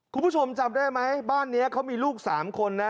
คุณผู้ชมจำได้ไหมบ้านนี้เขามีลูก๓คนนะ